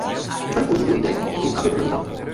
Us mem fûn it in goed idee en doe haw ik it mar dien.